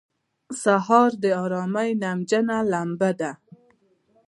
سهار د آرامۍ نمجنه لمبه ده.